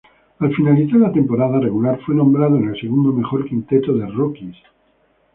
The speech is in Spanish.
Al finalizar la temporada regular, fue nombrado en el segundo mejor quinteto de rookies.